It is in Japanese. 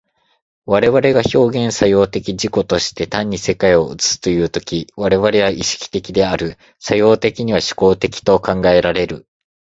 我々が表現作用的自己として単に世界を映すという時、我々は意識的である、作用的には志向的と考えられる。